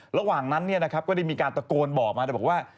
ระหว่างนั้นก็ได้มีการตะโกนบอกมาแต่บอกว่า